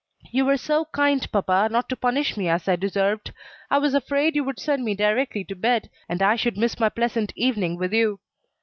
"You were so kind, papa, not to punish me as I deserved. I was afraid you would send me directly to bed, and I should miss my pleasant evening with you."